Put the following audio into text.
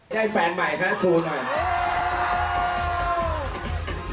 ได้แฟนใหม่นะคะชูหน่อย